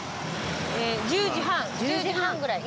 １０時半１０時半ぐらい。